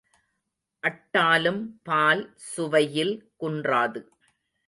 அட்டாலும் பால் சுவையில் குன்றாது.